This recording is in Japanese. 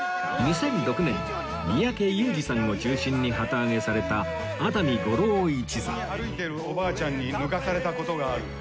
２００６年に三宅裕司さんを中心に旗揚げされた熱海五郎一座歩いているおばあちゃんに抜かされた事がある。